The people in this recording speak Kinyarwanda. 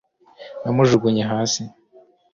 namujugunye hasi